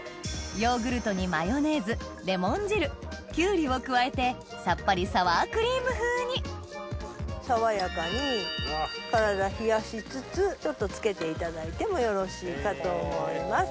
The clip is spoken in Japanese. ヨーグルトにマヨネーズレモン汁キュウリを加えてさっぱりサワークリーム風に爽やかに体冷やしつつちょっと付けていただいてもよろしいかと思います。